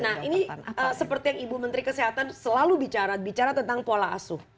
nah ini seperti yang ibu menteri kesehatan selalu bicara bicara tentang pola asuh